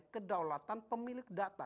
kedaulatan pemilik data